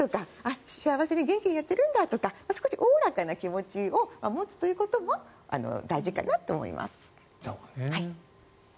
幸せに元気でやってるんだとか少し、おおらかな気持ちを持つということも大事かなと思います。